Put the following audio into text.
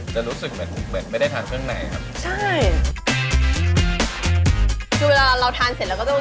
จะรู้สึกหลุมเพล็กไม่ได้ทานซึ่งในครับ